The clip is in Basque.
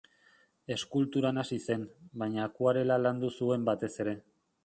Eskulturan hasi zen, baina akuarela landu zuen batez ere.